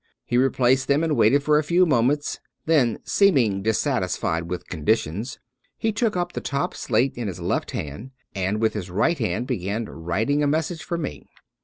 He replaced them, and waited for a few moments; then seeming dissatisfied with conditions, he took up the top slate in his left hand and with his right hand began writing a message for me.